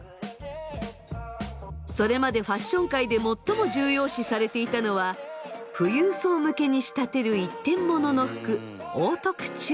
それまでファッション界で最も重要視されていたのは富裕層向けに仕立てる一点ものの服オートクチュール。